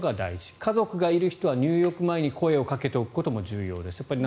家族がいる人は入浴前に声をかけておくことも重要です。